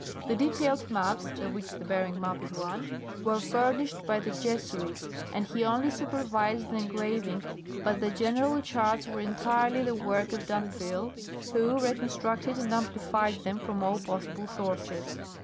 The detailed maps (of which the Bering map is one) were furnished by the Jesuits and he only supervised the engraving, but the general charts were entirely the work of dAnville, Avho reconstructed and amplified them from all possible sources.